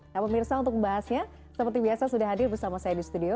nah pemirsa untuk membahasnya seperti biasa sudah hadir bersama saya di studio